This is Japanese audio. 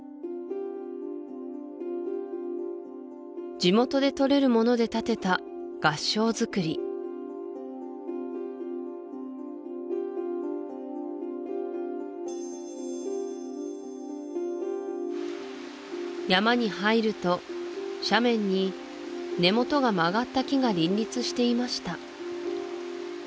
地元でとれるもので建てた合掌造り山に入ると斜面に根元が曲がった木が林立していました